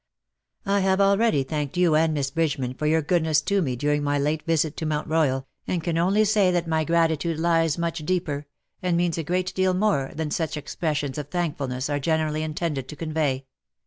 I have already thanked you and Miss Bridgeman for your goodness to me during my late visit to Mount Royal, and can only say that my gratitude lies much deeper, and means a great deal more, than such expressions of thankfulness are generally intended to convey.